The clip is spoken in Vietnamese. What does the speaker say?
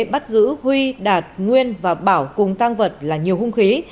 bắt giữ huy đạt nguyên và bảo cùng tăng vật là nhiều hung khí